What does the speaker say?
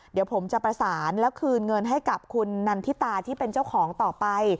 เดี๋ยวผมจะประสานแล้วคืนเงินให้กับคุณนันทิตาที่เป็นเจ้าของต่อไป